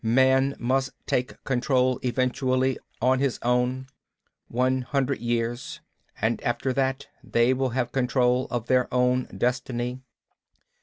Man must take control eventually, on his own. One hundred years, and after that they will have control of their own destiny.